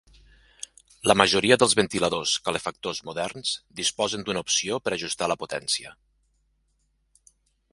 La majoria dels ventiladors calefactors moderns disposen d'una opció per ajustar la potència.